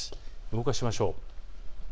動かしましょう。